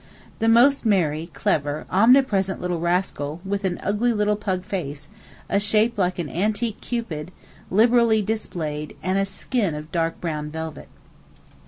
The most merry, clever, omnipresent little rascal, with an ugly little pug face, a shape like an antique Cupid, liberally displayed, and a skin of dark brown velvet.